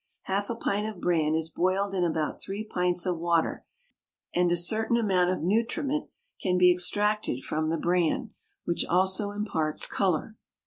Half a pint of bran is boiled in about three pints of water, and a certain amount of nutriment can be extracted from the bran, which also imparts colour.